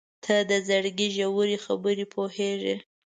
• ته د زړګي ژورې خبرې پوهېږې.